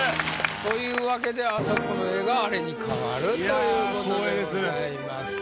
というわけであそこの絵があれに替わるということでございます。